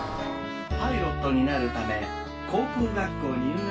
パイロットになるため航空学校入学を。